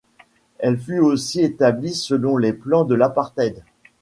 Elle fut aussi établie selon les plans de l'apartheid.